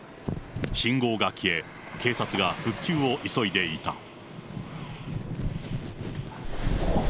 信号が消え、警察が復旧を急いでいた。